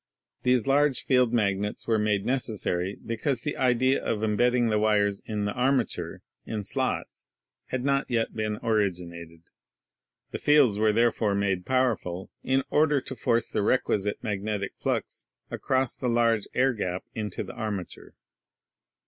These large field magnets were made necessary because the idea of embedding the wires in the armature in slots had not yet been originated. The fields were therefore made powerful in order to force the requisite magnetic flux across the large air gap into the armature.